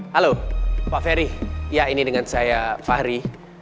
halo pak ferry ya ini dengan saya fahri